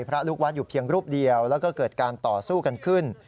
พระลูกวัดอยู่เพียงรูปเดียวแล้วก็เกิดการต่อสู้กันขึ้น